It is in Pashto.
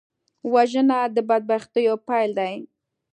وژنه د بدبختیو پیل دی